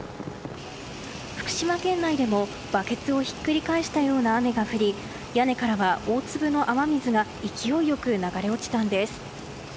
福島県内でもバケツをひっくり返したような雨が降り屋根からは大粒の雨水が勢いよく流れ落ちたんです。